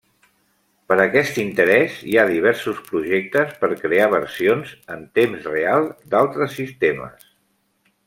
Per aquest interès hi ha diversos projectes per crear versions en temps real d'altres sistemes.